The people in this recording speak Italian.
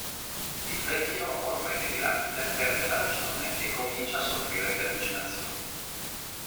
Il vecchio, ormai delirante, perde la ragione e comincia a soffrire di allucinazioni.